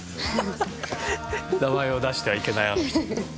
名前を出してはいけないあの人。